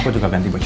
aku juga ganti bagi